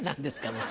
もう。